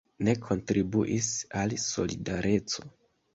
Ne kontribuis al Solidareco.